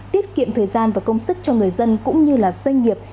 tiết kiệm thời gian và công sức cho người dân cũng như doanh nghiệp